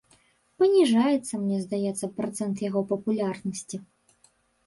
Паніжаецца, мне здаецца, працэнт яго папулярнасці.